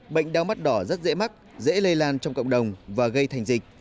bệnh đau mắt đỏ rất dễ mắc dễ lây lan trong cộng đồng và gây thành dịch